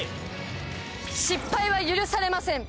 失敗は許されません